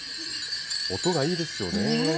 音がいいですよね。